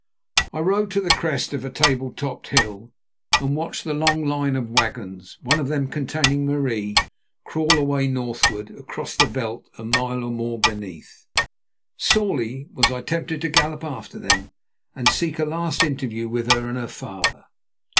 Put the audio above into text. I rode to the crest of a table topped hill and watched the long line of wagons, one of them containing Marie, crawl away northward across the veld a mile or more beneath. Sorely was I tempted to gallop after them and seek a last interview with her and her father.